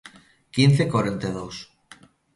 Quince corenta e dous.